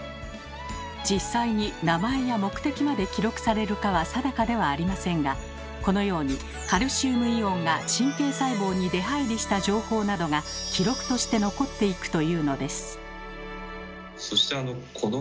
実際に名前や目的まで記録されるかは定かではありませんがこのようにカルシウムイオンが神経細胞に出はいりした情報などが記録として残っていくというのです。